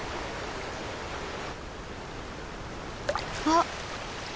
あっ！